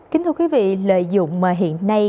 kính thưa quý vị lợi dụng mà hiện nay